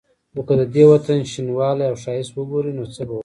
خو که د دې وطن شینوالی او ښایست وګوري نو څه به وايي.